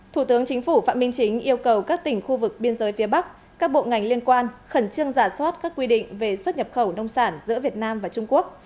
thủ tướng chính phủ phạm minh chính yêu cầu các tỉnh khu vực biên giới phía bắc các bộ ngành liên quan khẩn trương giả soát các quy định về xuất nhập khẩu nông sản giữa việt nam và trung quốc